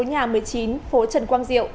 nhà một mươi chín phố trần quang diệu